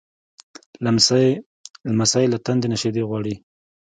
لمسی له تندې نه شیدې غواړي.